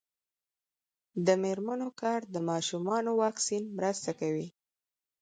د میرمنو کار د ماشومانو واکسین مرسته کوي.